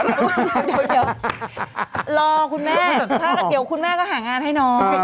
รอคุณแม่เพราะถ้าเดี๋ยวคุณแม่ก็หางานให้นม